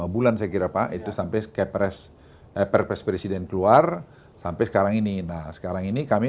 empat puluh lima bulan saya kira pak itu sampai kepres presiden keluar sampai sekarang ini nah sekarang ini kami